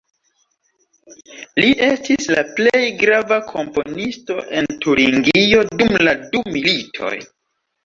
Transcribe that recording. Li estis la plej grava komponisto en Turingio dum la du militoj.